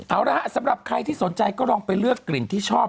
เอาละฮะสำหรับใครที่สนใจก็ลองไปเลือกกลิ่นที่ชอบ